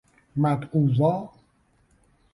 مدعوآ